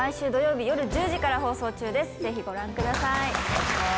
ぜひご覧ください。